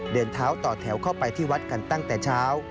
เดินเท้าต่อแถวเข้าไปที่วัดกันตั้งแต่เช้า